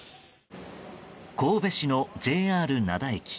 神戸市のＪＲ灘駅。